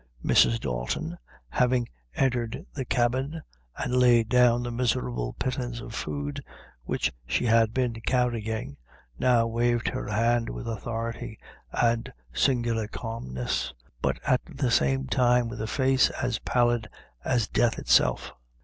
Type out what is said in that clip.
Mrs. Dalton having entered the cabin, and laid down the miserable pittance of food which she had been carrying, now waved her hand with authority and singular calmness, but at the same time with a face as pallid as death itself.